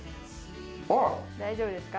大丈夫ですか？